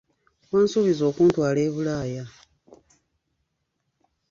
Wansuubiza okuntwala e Bulaaya.